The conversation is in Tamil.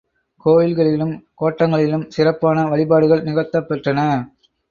கோவில்களிலும் கோட்டங்களிலும் சிறப்பான வழிபாடுகள் நிகழ்த்தப் பெற்றன.